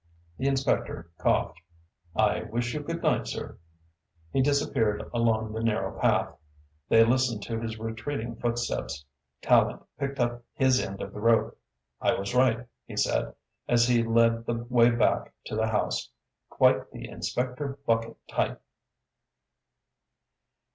The inspector coughed. "I wish you good night, sir." He disappeared along the narrow path. They listened to his retreating footsteps. Tallente picked up his end of the rope. "I was right," he said, as he led the way back to the house. "Quite the Inspector Bucket type."